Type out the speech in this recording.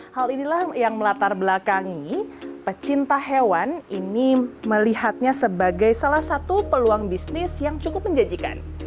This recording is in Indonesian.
hal inilah yang melatar belakangi pecinta hewan ini melihatnya sebagai salah satu peluang bisnis yang cukup menjanjikan